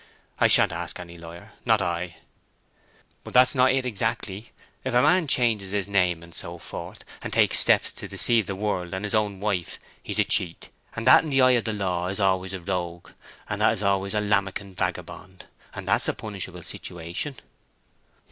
I shan't ask any lawyer—not I." "But that's not it, exactly. If a man changes his name and so forth, and takes steps to deceive the world and his own wife, he's a cheat, and that in the eye of the law is ayless a rogue, and that is ayless a lammocken vagabond; and that's a punishable situation."